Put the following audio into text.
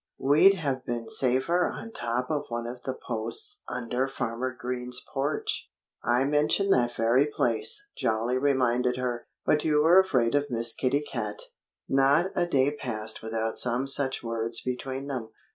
We'd have been safer on top of one of the posts under Farmer Green's porch." "I mentioned that very place," Jolly reminded her. "But you were afraid of Miss Kitty Cat." Not a day passed without some such words between them.